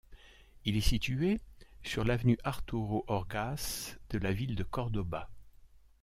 Il est situé sur l'avenue Arturo Orgaz de la ville de Córdoba.